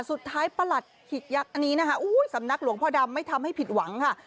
ประหลัดหิกยักษ์อันนี้นะคะสำนักหลวงพ่อดำไม่ทำให้ผิดหวังค่ะ